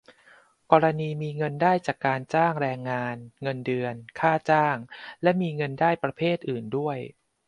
กรณีมีเงินได้จากการจ้างแรงงาน เงินเดือน ค่าจ้าง และมีเงินได้ประเภทอื่นด้วย